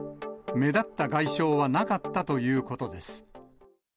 目立った外傷はなかったということです。